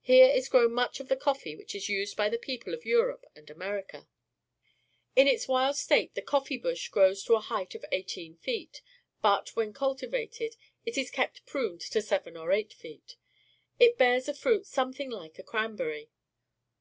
Here is grown much of the coffee w hich is used by the people of Europe and America. In its wild state the coffee bush grows to a height of eighteen feet, but, when cultivated, it is kept pruned to seven or eight feet. It bears a fruit something like a cranberry.